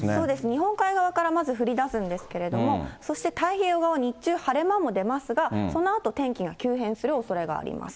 日本海側からまず降りだすんですけれども、そして太平洋側、日中晴れ間も出ますが、そのあと天気が急変するおそれがあります。